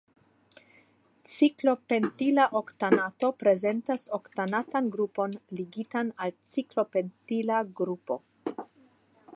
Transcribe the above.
Ciklopentila oktanato prezentas oktanatan grupon ligitan al ciklopentila grupo.